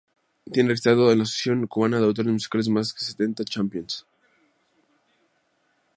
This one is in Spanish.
Tiene registradas en la Asociación Cubana de Autores Musicales más de sesenta composiciones.